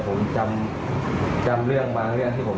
ก่อนสองแล้วเตรียม